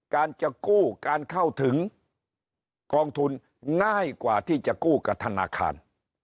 การจะกู้การเข้าถึงกองทุนง่ายกว่าที่จะกู้กับธนาคาร